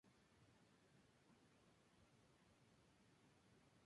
Tiene raíces familiares en la provincia gallega de Orense.